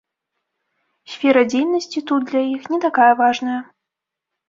Сфера дзейнасці тут для іх не такая важная.